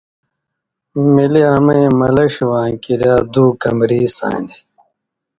مِلیۡ امَیں مَلݜیۡ واں کریا دُو کمری ساندیۡ۔